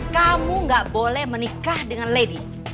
kamu gak boleh menikah dengan lady